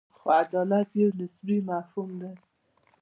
خو عدالت یو نسبي مفهوم دی.